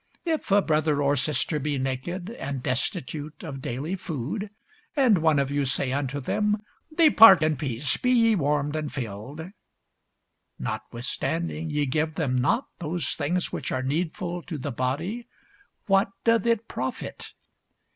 If a brother or sister be naked, and destitute of daily food, and one of you say unto them, Depart in peace, be ye warmed and filled; notwithstanding ye give them not those things which are needful to the body; what doth it profit?